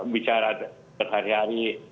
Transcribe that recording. bicara setiap hari